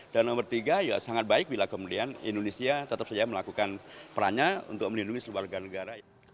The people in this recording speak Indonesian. dan nomor tiga ya sangat baik bila kemudian indonesia tetap saja melakukan perannya untuk melindungi sebuah negara